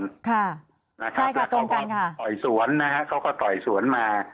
ใช่ค่ะตรงกันค่ะเขาก็ต่อยสวนนะครับเขาก็ต่อยสวนมา